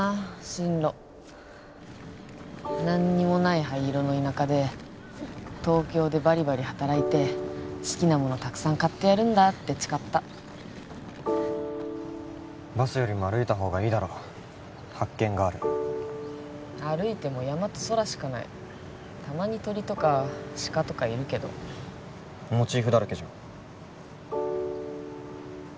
進路何にもない灰色の田舎で東京でバリバリ働いて好きなものたくさん買ってやるんだって誓ったバスよりも歩いた方がいいだろ発見がある歩いても山と空しかないたまに鳥とかシカとかいるけどモチーフだらけじゃん